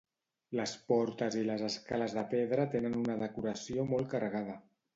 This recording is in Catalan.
Les portes i les escales de pedra tenen una decoració molt carregada.